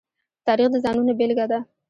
تاریخ د ځانونو بېلګه ده.